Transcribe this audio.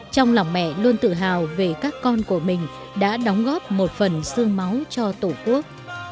trong lòng mẹ luôn tự hào về các con của mình đã đóng góp một phần sương máu cho tổ quốc